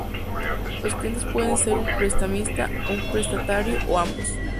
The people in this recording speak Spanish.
Los clientes pueden ser un "Prestamista", un "Prestatario" o ambos.